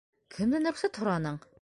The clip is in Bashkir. Кемдән рөхсәт һораның?